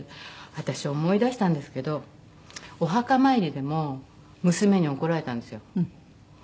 私思い出したんですけどお墓参りでも娘に怒られたんですよ。